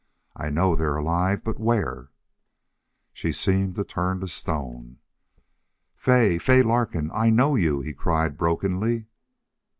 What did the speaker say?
I know they're alive. But where?" She seemed to turn to stone. "Fay! FAY LARKIN!... I KNOW YOU!" he cried, brokenly.